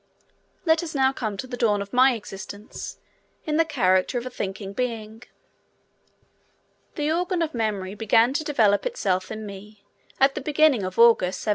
Let us now come to the dawn of my existence in the character of a thinking being. The organ of memory began to develop itself in me at the beginning of August, 1733.